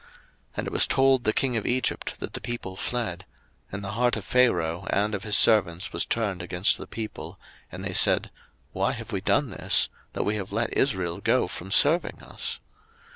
02:014:005 And it was told the king of Egypt that the people fled: and the heart of Pharaoh and of his servants was turned against the people, and they said, Why have we done this, that we have let Israel go from serving us?